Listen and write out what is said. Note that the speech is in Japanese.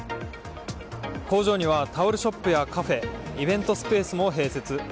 工場にはタオルショップやカフェイベントスペースも併設。